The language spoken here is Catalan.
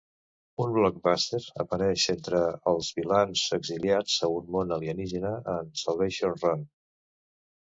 Un Blockbuster apareix entre els vilans exiliats a un mon alienígena en "Salvation Run".